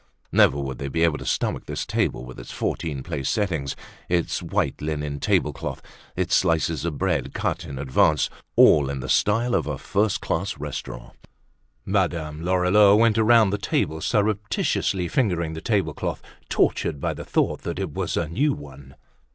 Never would they be able to stomach this table with its fourteen place settings, its white linen table cloth, its slices of bread cut in advance, all in the style of a first class restaurant. Mme. Lorilleux went around the table, surreptitiously fingering the table cloth, tortured by the thought that it was a new one.